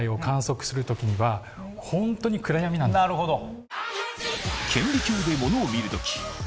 なるほど！